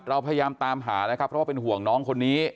เราพยายามตามหานะครับเพราะว่าเป็นห่วงน้องคนนี้